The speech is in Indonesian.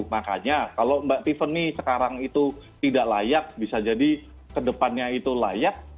makanya kalau mbak tiffany sekarang itu tidak layak bisa jadi kedepannya itu layak